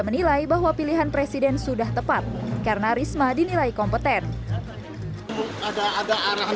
menilai bahwa pilihan presiden sudah tepat karena risma dinilai kompeten agak agak arahan